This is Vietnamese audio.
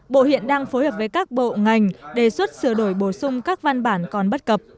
bộ hiện đang phối hợp với các bộ ngành đề xuất sửa đổi bổ sung các văn bản còn bất cập